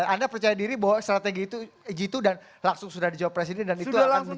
anda percaya diri bahwa strategi itu jitu dan langsung sudah dijawab presiden dan itu akan menjadi